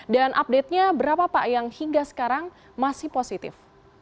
dan update nya berapa pak yang hingga sekarang masih positif